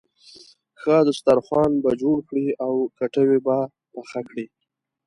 ښه دسترخوان به جوړ کړې او کټوۍ به پخه کړې.